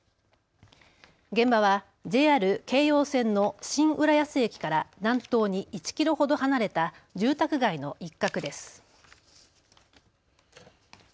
現場はＪＲ京葉線の新浦安駅から南東に１キロほど離れた住宅街の一角です。